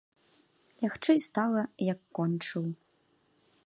Лягчэй стала, як кончыў.